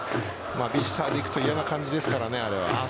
ビジターに行くと嫌な感じですからね、あれは。